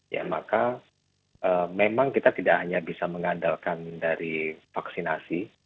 ya maka memang kita tidak hanya bisa mengandalkan dari vaksinasi